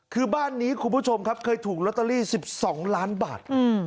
คือบ้านนี้คุณผู้ชมครับเคยถูกลอตเตอรี่๑๒ล้านบาท